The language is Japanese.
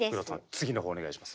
次の方お願いします。